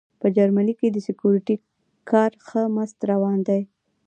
په جرمني کې د سیکیورټي کار ښه مست روان دی